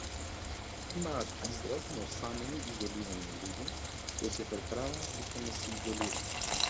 Имаат израз на осамени, изолирани луѓе, кои се преправаат дека не се изолирани.